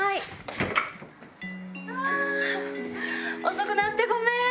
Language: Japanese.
遅くなってごめん！